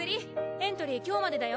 エントリー今日までだよ！